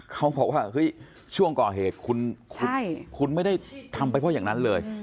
เขาบอกว่าเฮ้ยช่วงก่อเหตุคุณไม่ได้ทำไปเพราะอย่างนั้นเลย